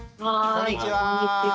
こんにちは。